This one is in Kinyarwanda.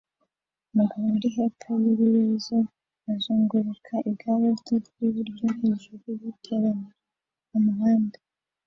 Umugabo uri hepfo yibibazo azunguruka igare rye ryibiryo hejuru yiteraniro mumuhanda